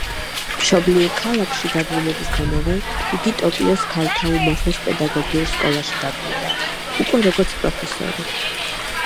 მშობლიურ ქალაქში დაბრუნებისთანავე, იგი ტოკიოს ქალთა უმაღლეს პედაგოგიურ სკოლაში დაბრუნდა, უკვე როგორც პროფესორი.